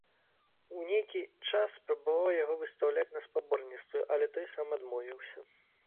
У нейкі час спрабаваў яго выстаўляць на спаборніцтвы, але той сам адмовіўся.